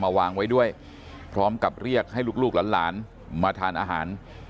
วางไว้ด้วยพร้อมกับเรียกให้ลูกหลานมาทานอาหาร